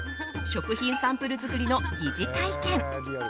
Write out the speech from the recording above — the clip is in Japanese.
食品サンプル作りの疑似体験。